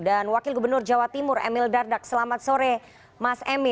dan wakil gubernur jawa timur emil dardak selamat sore mas emil